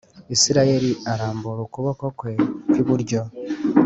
Isirayeli arambura ukuboko kwe kw iburyo